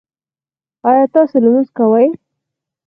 ایا تاسو لمونځ کوئ؟